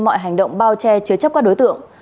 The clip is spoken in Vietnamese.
mọi hành động bao che chứa chấp các đối tượng